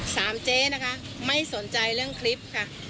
เจ๊นะคะไม่สนใจเรื่องคลิปค่ะ